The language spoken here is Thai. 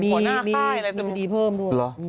อีกดีเพิ่มดู